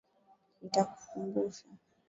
Nitakukumbusha.